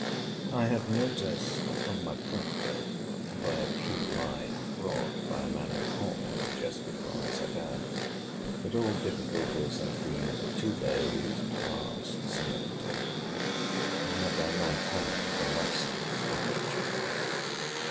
I had notice from my proctor, by a few lines brought by a man and horse, just before I set out, that all difficulties had been for two days past surmounted; and that I might have the license for fetching.